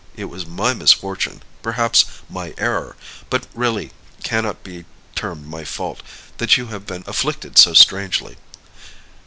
It was my misfortune, perhaps my error, but really cannot be termed my fault, that you have been afflicted so strangely."